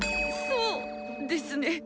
そうですね。